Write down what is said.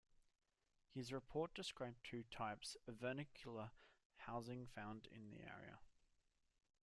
His report described two types of vernacular housing found in the area.